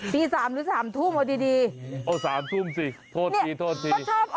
ตี๓หรือ๓ทุ่มเอาดีเอา๓ทุ่มสิโทษทีโทษที